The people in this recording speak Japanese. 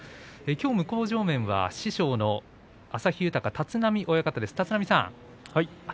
向正面は師匠の旭豊の立浪親方です。